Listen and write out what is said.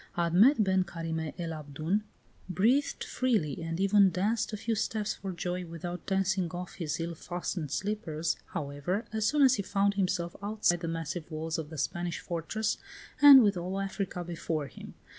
VIII. Admet ben Carime el Abdoun breathed freely, and even danced a few steps for joy, without dancing off his ill fastened slippers, however, as soon as he found himself outside the massive walls of the Spanish fortress and with all Africa before him.